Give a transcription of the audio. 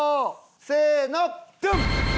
せーのドン！